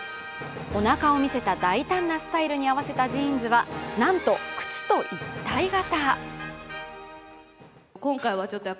おなかを見せた大胆なスタイルのジーンズは、なんと靴と一体型。